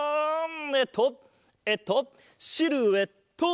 えっとえっとシルエット！